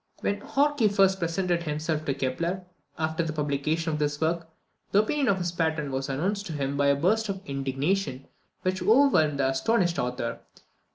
When Horky first presented himself to Kepler, after the publication of this work, the opinion of his patron was announced to him by a burst of indignation which overwhelmed the astonished author.